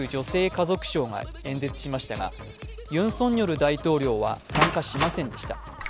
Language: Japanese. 家族相が演説しましたがユン・ソンニョル大統領は参加しませんでした。